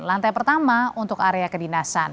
lantai pertama untuk area kedinasan